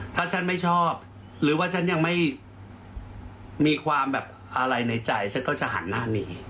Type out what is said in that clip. ถ้าฉันไม่ชอบหรือว่าฉันยังไม่มีความแบบอะไรในใจฉันก็จะหันหน้าหนี